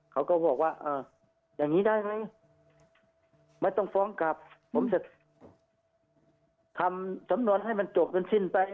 เขาก็บอกว่าอย่างนี้ได้ไหมไม่ต้องฟ้องกลับผมจะทำสำนวนให้มันจบกันสิ้นไป